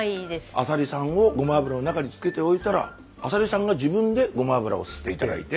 アサリさんをごま油の中に漬けておいたらアサリさんが自分でごま油を吸って頂いて。